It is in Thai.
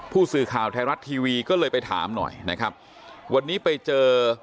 ผู้สื่อข่าวไทยรัฐทีวีก็เลยไปถามหน่อยนะครับวันนี้ไปเจอ